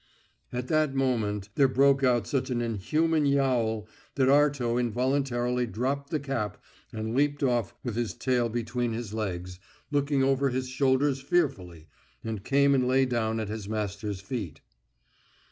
At that moment there broke out such an inhuman yowl that Arto involuntarily dropped the cap and leapt off with his tail between his legs, looked over his shoulders fearfully, and came and lay down at his master's feet.